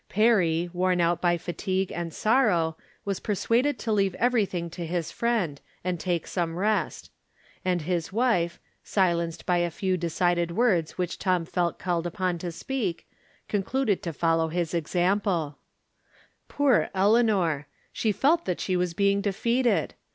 Perry, worn out by fatigue and sorrow, was persuaded to leave everything to his friend, and take some rest ; and his wife, sHenced by a few 288 From Different Standpoints. decided words which Tom felt called upon to speak, concluded to foUow his example. Poor Eleanor ! She felt that she was being defeated.